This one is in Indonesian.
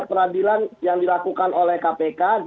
peradilan yang dilakukan oleh kpk